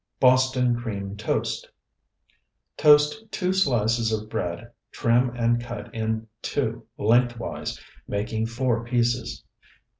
BOSTON CREAM TOAST Toast two slices of bread, trim and cut in two lengthwise, making four pieces.